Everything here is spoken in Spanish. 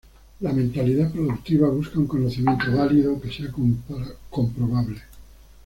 La mentalidad productiva busca un conocimiento válido que sea comprobable.